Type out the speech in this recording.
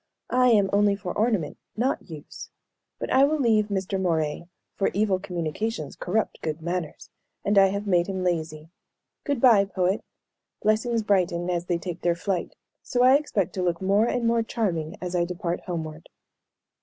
"I am only for ornament, not use. But I will leave Mr. Moray, for 'evil communications corrupt good manners,' and I have made him lazy. Good bye, poet. 'Blessings brighten as they take their flight;' so I expect to look more and more charming as I depart homeward."